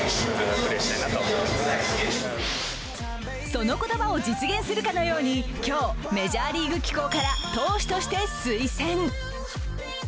その言葉を実現するかのように今日、メジャーリーグ機構から投手として推薦。